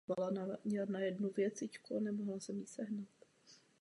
Tato část města v mnohém připomíná španělská či evropská města.